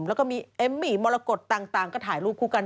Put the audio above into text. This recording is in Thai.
แล้วก็มีเอมมี่มรกฏต่างก็ถ่ายรูปคู่กัน